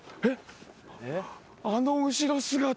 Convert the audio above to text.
あの後ろ姿は。